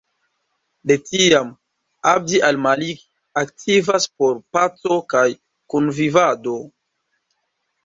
De tiam, Abd al Malik aktivas por paco kaj kunvivado.